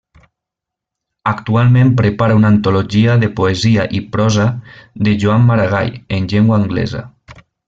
Actualment prepara una antologia de poesia i prosa de Joan Maragall en llengua anglesa.